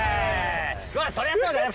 そりゃそうだよな